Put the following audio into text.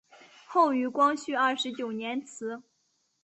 后于光绪二十九年祠。